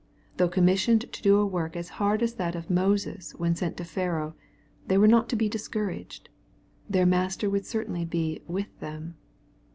*' Though commissioned to do a work as hard as that of Moses when sent to Pharaoh, they were not to be discouraged. Their Master would certainly be "with. them."